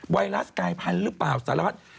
ไวรัสกายพันธุ์หรือเปล่าสารวัตร